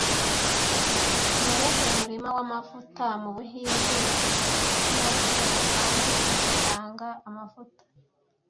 Nuwuhe murima wamavuta mubuhinde nuwakera kandi ugitanga amavuta